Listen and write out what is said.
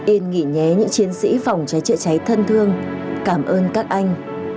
yên nghỉ nhé những chiến sĩ phòng trái trợ cháy thân thương cảm ơn các anh